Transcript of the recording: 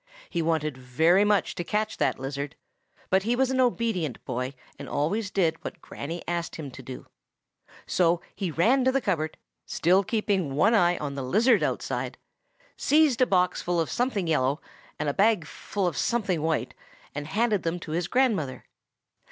He wanted very much to catch that lizard; but he was an obedient boy, and always did what "Granny" asked him to do. So he ran to the cupboard, still keeping one eye on the lizard outside, seized a box full of something yellow and a bag full of something white, and handed them to his grandmother.